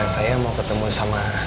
saya mau ketemu sama